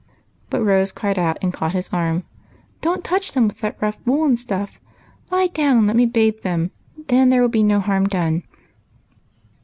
But Rose cried out, and caught his arm: "Don't touch them with that rough woollen stuff ! Lie down and let me bathe them, there 's a dear boy ; then there will be no harm done."